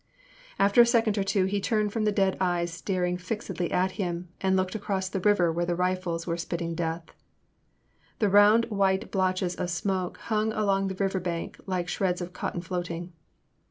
After a second or two he turned from the dead eyes staring fixedly at him, and looked across the river where the rifles were spitting death. The round white blotches of smoke hung along the river bank like shreds of cotton floating.